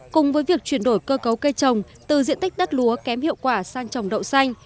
cùng với việc chuyển đổi cơ cấu cây trồng từ diện tích đất lúa kém hiệu quả sang trồng đậu xanh